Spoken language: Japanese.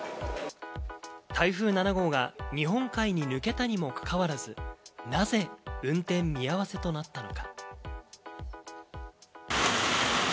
台風７号が日本海に抜けたにもかかわらず、なぜ運転見合わせとなったのか。